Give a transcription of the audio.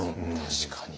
確かに。